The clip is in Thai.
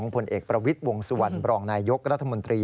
พลเอกพระวิทย์วงสวรประลองนายกรัฐมนตรี